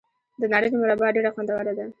د نارنج مربا ډیره خوندوره ده.